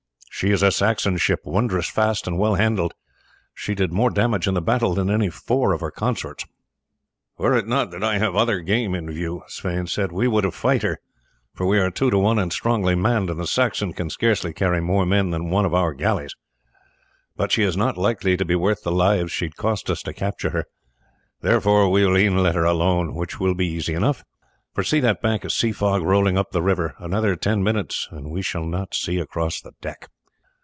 She is a Saxon ship, wondrous fast and well handled. She did more damage in the battle than any four of her consorts." "Were it not that I have other game in view," Sweyn said, "we would fight her, for we are two to one and strongly manned, and the Saxon can scarce carry more men than one of our galleys; but she is not likely to be worth the lives she would cost us to capture her; therefore we will e'en let her alone, which will be easy enough, for see that bank of sea fog rolling up the river; another ten minutes and we shall not see across the deck.